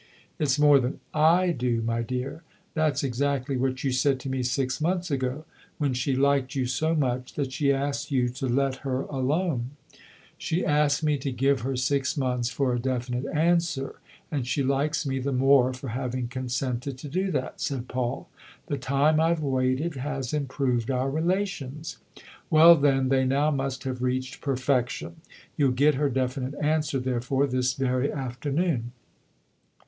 " It's more than / do, my dear ! That's exactly what you said to me six months ago when she liked you so much that she asked you to let her alone/' "She asked me to give her six months for a definite answer, and she likes me the more for having consented to do that/' said Paul. "The time I've waited has improved our relations." " Well, then, they now must have reached per fection. You'll get her definite answer, therefore, this very afternoon."